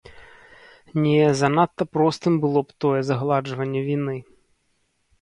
Не, занадта простым было б тое загладжванне віны.